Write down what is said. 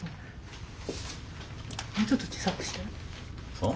そう？